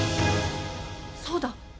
そうだ！